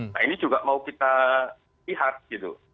nah ini juga mau kita lihat gitu